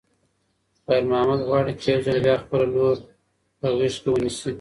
خیر محمد غواړي چې یو ځل بیا خپله لور په غېږ کې ونیسي.